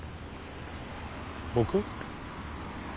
僕？